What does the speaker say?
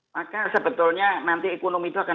maka sebetulnya nanti ekonomi itu akan